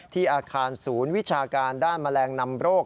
อาคารศูนย์วิชาการด้านแมลงนำโรค